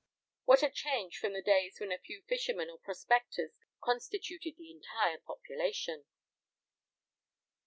What a change from the days when a few fishermen or prospectors constituted the entire population!